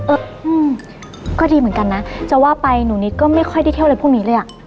เออก็ดีเหมือนกันนะจะว่าไปหนูนิดก็ไม่ค่อยได้เที่ยวอะไรพวกนี้เลยอ่ะ